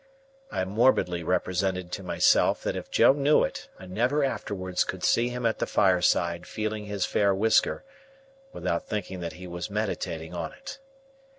I morbidly represented to myself that if Joe knew it, I never afterwards could see him at the fireside feeling his fair whisker, without thinking that he was meditating on it.